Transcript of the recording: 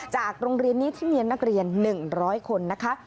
จากโรงเรียนนี้ที่มีนักเรียน๑๐๐คนนะคะ